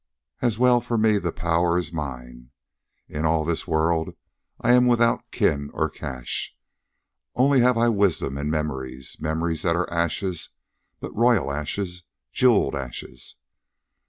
And well for me the power is mine. In all this world I am without kin or cash. Only have I wisdom and memories memories that are ashes, but royal ashes, jeweled ashes.